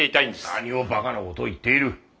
何をバカな事を言っている。